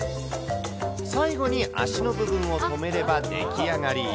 最後に足の部分を止めれば出来上がり。